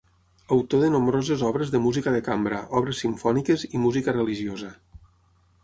Autor de nombroses obres de música de cambra, obres simfòniques i música religiosa.